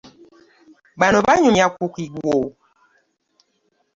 Bano banyumya ku kigwo.